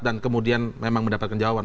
kemudian memang mendapatkan jawaban